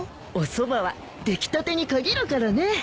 おそばは出来たてに限るからね。